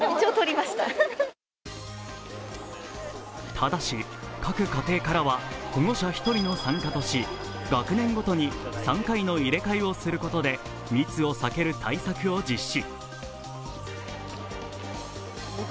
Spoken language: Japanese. ただし、各家庭からは保護者１人の参加とし、学年ごとに３回の入れ替えをすることで密を避ける対策を実施。